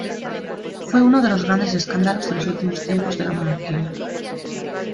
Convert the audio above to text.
Fue uno de los grandes escándalos de los últimos tiempos de la monarquía.